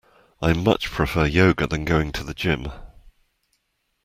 I much prefer yoga than going to the gym